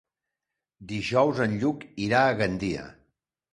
Dijous en Lluc irà a Gandia.